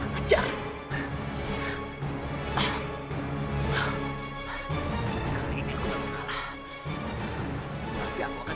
macam mana kau untuk melukakan